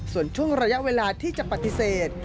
ส่วนช่วงระยะเวลาที่จะปฏิเสธ